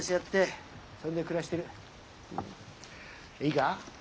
いいか？